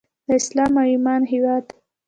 د اسلام او ایمان هیواد.